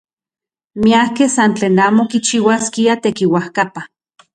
Miakej san tlen amo kichiuaskiaj tekiuajkapa.